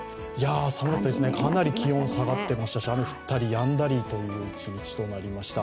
寒かったですね、かなり気温下がっていますし、雨が降ったりやんだりという一日になりました。